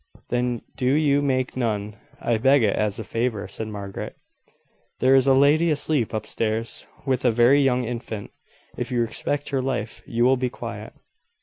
"Then do you make none I beg it as a favour," said Margaret. "There is a lady asleep up stairs, with a very young infant. If you respect her life you will be quiet."